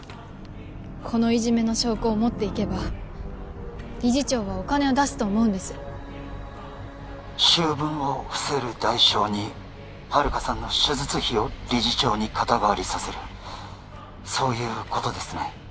このいじめの証拠を持っていけば理事長はお金を出すと思うんです醜聞を伏せる代償に遙さんの手術費を理事長に肩代わりさせるそういうことですね？